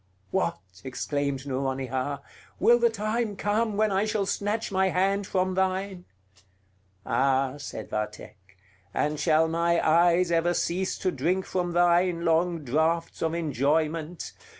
"What!" exclaimed Nouronihar; "will the time come when I shall snatch my hand from thine?" "Ah," said Vathek; "and shall my eyes ever cease to drink from thine long draughts of enjoyment!